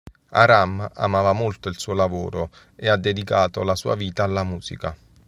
Aram amava molto il suo lavoro e ha dedicato la sua vita alla musica.